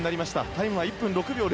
タイムは１分６秒０７。